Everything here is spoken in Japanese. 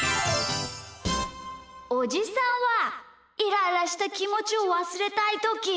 おじさんはイライラしたきもちをわすれたいときどうしてますか？